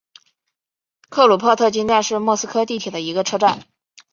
克鲁泡特金站是莫斯科地铁的一个车站。